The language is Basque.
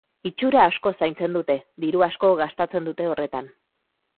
Itxura asko zaintzen dute, diru asko gastatzen dute horretan.